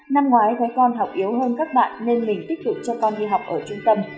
năm ngoái thấy con học yếu hơn các bạn nên mình tích cực cho con đi học ở trung tâm